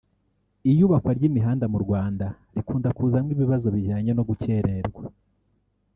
Iyubakwa ry’imihanda mu Rwanda rikunda kuzamo ibibazo bijyanye no gukererwa